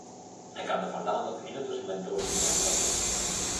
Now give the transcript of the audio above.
E cando faltaban doce minutos inventou esta finalización.